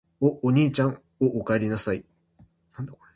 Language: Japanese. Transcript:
お、おにいちゃん・・・お、おかえりなさい・・・